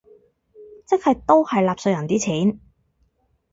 即係都係納稅人啲錢